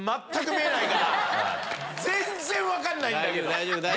全然分かんないんだけど。